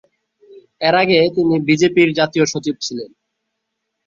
এর আগে তিনি বিজেপির জাতীয় সচিব ছিলেন।